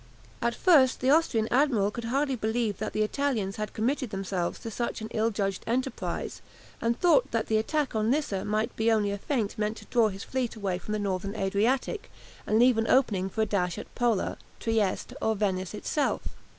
At first the Austrian admiral could hardly believe that the Italians had committed themselves to such an ill judged enterprise, and thought that the attack on Lissa might be only a feint meant to draw his fleet away from the Northern Adriatic, and leave an opening for a dash at Pola, Trieste, or Venice itself.